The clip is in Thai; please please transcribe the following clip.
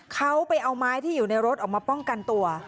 เขาไปเอาไม้ที่อยู่ในรถออกมาป้องกันตัว